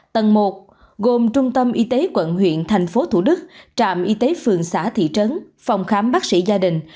tầng một gồm trung tâm y tế quận huyện thành phố thủ đức trạm y tế phường xã thị trấn phòng khám bác sĩ gia đình